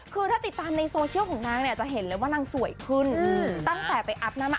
คือถ้าติดตามในโซเชียลของนางเนี่ยจะเห็นเลยว่านางสวยขึ้นตั้งแต่ไปอัพหน้ามา